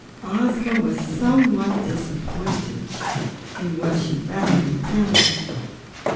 Ozma was somewhat disappointed in what she found in the palace.